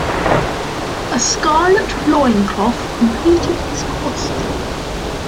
A scarlet loincloth completed his costume.